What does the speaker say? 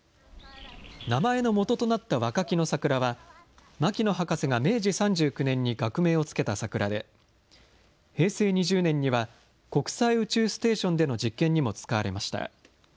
名前のもととなったワカキノサクラは、牧野博士が明治３９年に学名を付けた桜で、平成２０年には国際宇宙ステーションでの実験にも使われました。